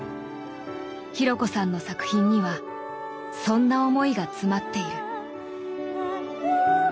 紘子さんの作品にはそんな思いが詰まっている。